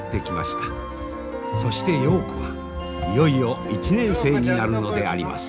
そして陽子はいよいよ１年生になるのであります。